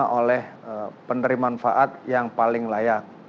terima oleh peneriman faat yang paling layak